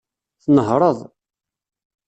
Tnehṛeḍ.